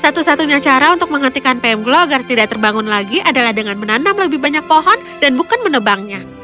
satu satunya cara untuk menghentikan pmglo agar tidak terbangun lagi adalah dengan menanam lebih banyak pohon dan bukan menebangnya